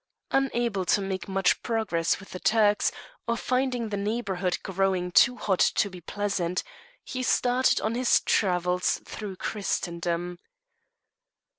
Unable to make much progress with the Turks, or finding the neighbourhood growing too hot to be pleasant, he started on his travels through Christendom.